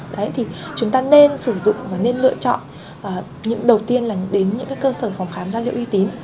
đấy thì chúng ta nên sử dụng và nên lựa chọn những đầu tiên là đến những cơ sở phòng khám da liệu y tín